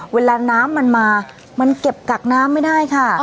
เวลาน้ำมันมามันเก็บกักน้ำไม่ได้ค่ะ